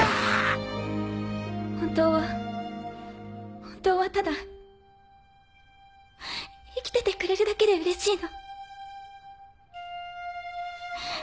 本当は本当はただ生きててくれるだけでうれしいの。